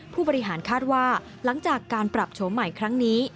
ผู้บริหารคาดว่าหลังจากการปรับโฉมใหม่ครั้งนี้